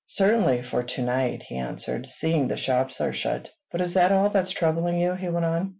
"Certainly for to night," he answered, "seeing the shops are shut. But is that all that's troubling you?" he went on.